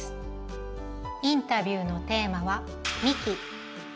インタビューのテーマは「幹」。